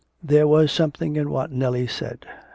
There was something in what Nellie said.